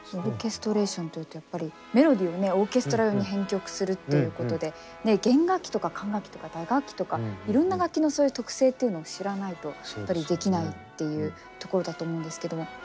オーケストレーションというとやっぱりメロディーをねオーケストラ用に編曲するっていうことで弦楽器とか管楽器とか打楽器とかいろんな楽器のそういう特性っていうのを知らないとやっぱりできないっていうところだと思うんですけども。